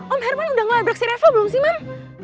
om herman udah ngelabrak si reva belum sih mam